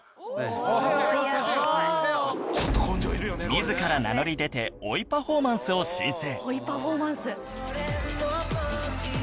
自ら名乗り出て追いパフォーマンスを申請